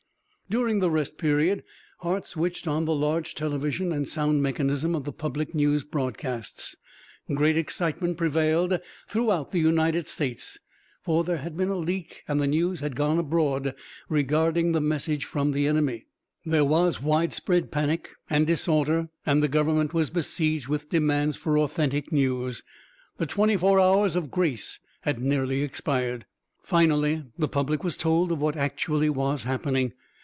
During the rest period, Hart switched on the large television and sound mechanism of the public news broadcasts. Great excitement prevailed throughout the United States, for there had been a leak and the news had gone abroad regarding the message from the enemy. There was widespread panic and disorder and the government was besieged with demands for authentic news. The twenty four hours of grace had nearly expired. Finally the public was told of what actually was happening.